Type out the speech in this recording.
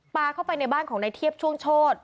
เข้าไปในบ้านของนายเทียบช่วงโชธ